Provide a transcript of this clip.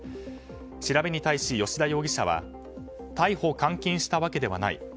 調べに対し、吉田容疑者は逮捕監禁したわけではない。